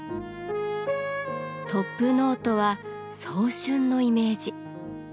トップノートは早春のイメージ。